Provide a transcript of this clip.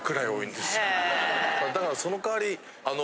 だからその代わりあの。